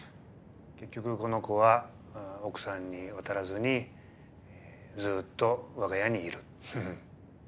結局この子は奥さんに渡らずにずっと我が家にいる。